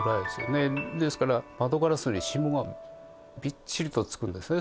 ですから窓ガラスに霜がびっちりとつくんですね。